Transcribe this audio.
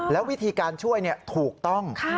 แล้ววิธีการช่วยถูกต้อง